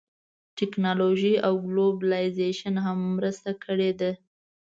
ټیکنالوژۍ او ګلوبلایزېشن هم مرسته کړې ده